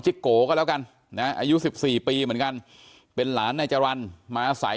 โกก็แล้วกันนะอายุ๑๔ปีเหมือนกันเป็นหลานนายจรรย์มาอาศัย